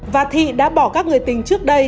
và thị đã bỏ các người tình trước đây